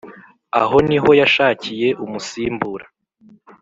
aho niho yashakiye umusimbura